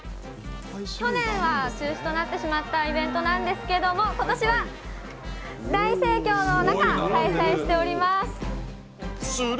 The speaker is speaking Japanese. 去年は中止となってしまったイベントなんですけども、ことしは大盛況の中、開催しております。